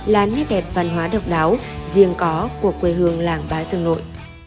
là nét đẹp văn hóa độc đáo riêng có của quê hương làng bá dương nội